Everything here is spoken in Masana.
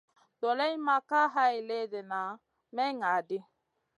Doleyna ma ka hay léhdéna may ŋah ɗi.